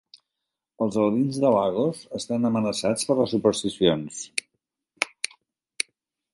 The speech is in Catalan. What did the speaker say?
Els albins de Lagos estan amenaçats per les supersticions.